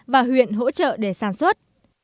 và huyện hỗ trợ để sản xuất